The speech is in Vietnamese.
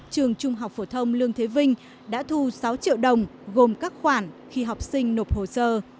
trường trung học phổ thông lương thế vinh đã thu sáu triệu đồng gồm các khoản khi học sinh nộp hồ sơ